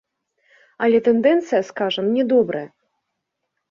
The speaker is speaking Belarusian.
Але тэндэнцыя, скажам, не добрая.